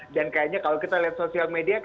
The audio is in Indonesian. dan kayaknya kalau kita lihat sosial media ini ya